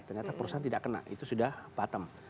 ternyata perusahaan tidak kena itu sudah bottom